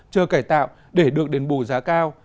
chờ cải tạo để được đến bù giá cao